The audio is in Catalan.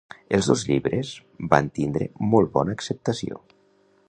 Els dos llibres van tindre molt bona acceptació.